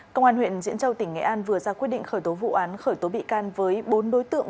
công an huyện diễn châu tỉnh nghệ an vừa ra quyết định khởi tố vụ án khởi tố bị can với bốn đối tượng